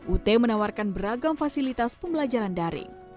ut menawarkan beragam fasilitas pembelajaran daring